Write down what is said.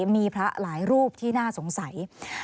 มีพระหลายรูปที่น่าสงสัย